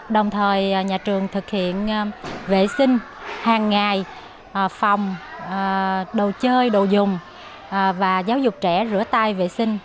đồng thời nhà trường thực hiện vệ sinh hàng ngày phòng đồ chơi đồ dùng và giáo dục trẻ rửa tay vệ sinh